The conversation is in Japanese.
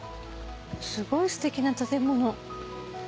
すごいステキな建物。